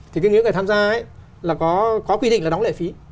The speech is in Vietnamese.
thì những người tham gia có quy định là đóng lệ phí